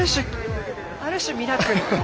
ある種ミラクル。